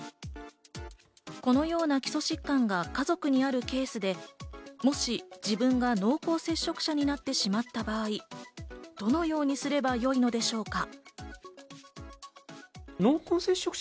このような基礎疾患が家族にあるケースで、もし自分が濃厚接触者になってしまった場合、どのようにすればよいのでしょうか？